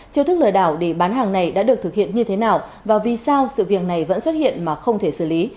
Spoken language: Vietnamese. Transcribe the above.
chiêu thức lừa đảo để bán hàng này đã được thực hiện như thế nào và vì sao sự việc này vẫn xuất hiện mà không thể xử lý